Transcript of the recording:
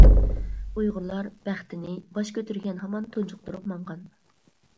ئۇيغۇرلار بەختىنى باش كۆتۈرگەن ھامان تۇنجۇقتۇرۇپ ماڭغان.